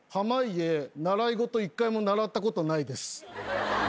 習い事１回も習ったことないです。